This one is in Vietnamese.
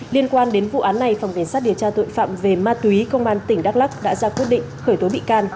liên quan đến vụ án này phòng cảnh sát điều tra tội phạm về ma túy công an tỉnh đắk lắc đã ra quyết định khởi tố bị can